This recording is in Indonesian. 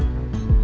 ya pak juna